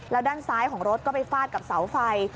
แล้วด้านซ้ายของรถก็ไปฟาดกับเสาไฟ